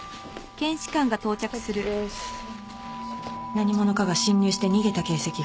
何者かが侵入して逃げた形跡が。